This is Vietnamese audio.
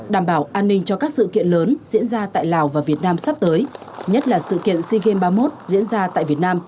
đảm bảo an ninh cho các sự kiện lớn diễn ra tại lào và việt nam sắp tới nhất là sự kiện sea games ba mươi một diễn ra tại việt nam